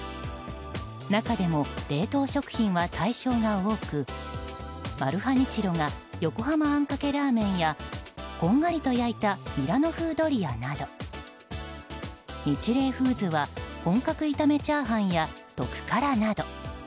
中でも冷凍食品は対象が多くマルハニチロが横浜あんかけラーメンやこんがりと焼いたミラノ風ドリアなどニチレイフーズは本格炒め炒飯や特からなど。